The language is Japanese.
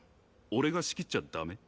俺が仕切っちゃ駄目？